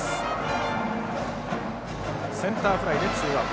センターフライでツーアウト。